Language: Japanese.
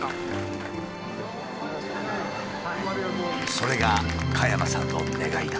それが加山さんの願いだ。